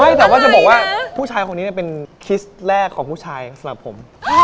ไม่แต่ว่าจะบอกว่าผู้ชายคนนี้เป็นคริสต์แรกของผู้ชายสำหรับผม